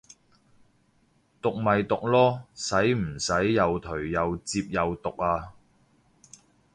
毒咪毒囉，使唔使又頹又摺又毒啊